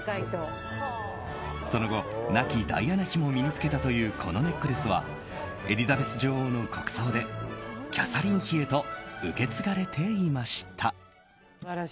その後、亡きダイアナ妃も身に着けたというこのネックレスはエリザベス女王の国葬でキャサリン妃へと受け継がれていました。